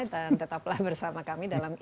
dan tetaplah bersama kami dalam berbicara